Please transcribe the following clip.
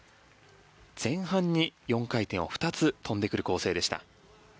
前半に４回転を２つ跳んでくる構成でした。